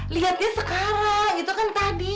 liatnya sekarang itu kan tadi